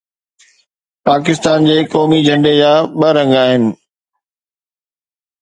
پاڪستان جي قومي جهنڊي جا ٻه رنگ آهن